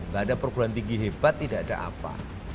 tidak ada perguruan tinggi hebat tidak ada apa